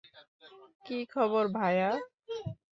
কী খবর, ভায়া?